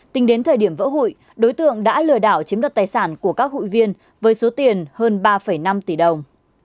tính đến thời điểm vỡ hụi đối tượng đã lừa đảo chiếm đoạt tài sản của các hụi viên với số tiền hơn ba năm tỷ đồng